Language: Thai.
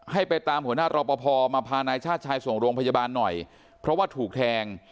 ให้ไปตามหัวหน้ารอปภมาพานายชาติชายส่งโรงพยาบาลหน่อยเพราะว่าถูกแทง